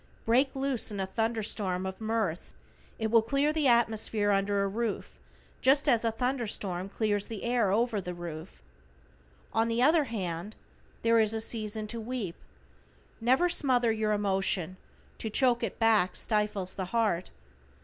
Break loose in a thunderstorm of mirth, it will clear the atmosphere under a roof, just as a thunderstorm clears the air over the roof. On the other hand "there is a season to weep." Never smother your emotion, to choke it back stifles the heart.